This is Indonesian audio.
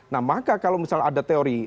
nah maka kalau misalnya ada teori